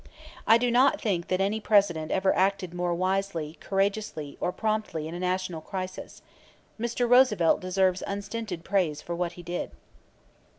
"I do not think that any President ever acted more wisely, courageously or promptly in a national crisis. Mr. Roosevelt deserves unstinted praise for what he did."